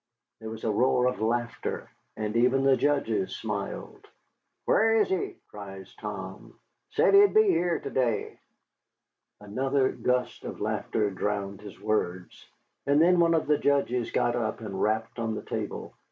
There was a roar of laughter, and even the judges smiled. "Whar is he?" cries Tom; "said he'd be here to day." Another gust of laughter drowned his words, and then one of the judges got up and rapped on the table.